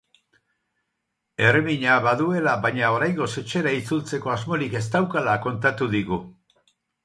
Herrimina baduela, baina oraingoz etxera itzultzeko asmorik ez daukala kontatu digu.